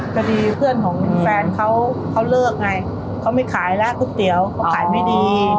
พอดีเพื่อนของแฟนเขาเขาเลิกไงเขาไม่ขายแล้วก๋วยเตี๋ยวเขาขายไม่ดี